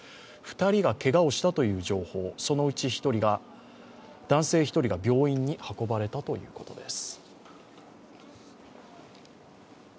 ２人がけがをしたという情報、そのうち１人が、男性１人が病院に運ばれたということです。